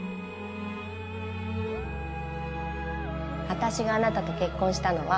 私があなたと結婚したのは